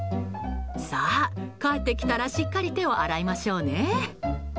帰ってきたらしっかり手を洗いましょうね。